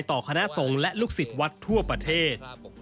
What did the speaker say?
คณะสงฆ์และลูกศิษย์วัดทั่วประเทศ